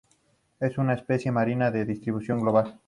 Es una especie marina de distribución global.